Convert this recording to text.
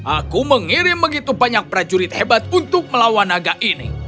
aku mengirim begitu banyak prajurit hebat untuk melawan naga ini